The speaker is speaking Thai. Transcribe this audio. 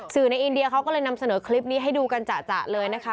ในอินเดียเขาก็เลยนำเสนอคลิปนี้ให้ดูกันจ่ะเลยนะคะ